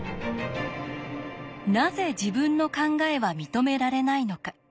なぜ自分の考えは認められないのか。